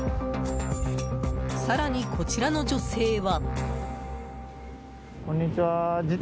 更に、こちらの女性は。